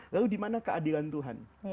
lalu di mana keadilan tuhan